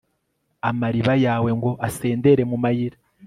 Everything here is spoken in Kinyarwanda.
amariba yawe ngo asendere mu mayira